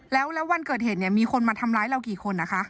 แล้ววันเกิดเหตุเนี่ยมีคนมาทำร้ายเรากี่คนนะคะ